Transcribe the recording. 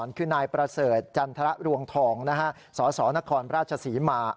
คือนายประเสริฐจันทรรวงทองสสนครราชศรีมา